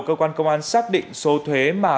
cơ quan công an xác định số thuế mà